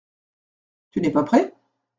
Tu n’es pas prêt ?